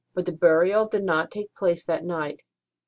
But the burial did not take place that night.